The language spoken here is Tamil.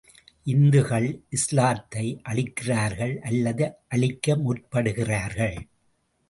இந்துகள் இஸ்லாத்தை அழிக்கிறார்கள் அல்லது அழிக்க முற்படுகிறார்கள்.